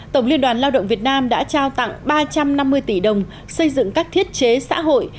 tổng liên đoàn lao động việt nam đã trao tặng ba trăm năm mươi tỷ đồng xây dựng các thiết chế xã hội